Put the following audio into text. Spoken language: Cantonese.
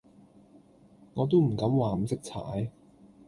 我都唔敢話唔識踩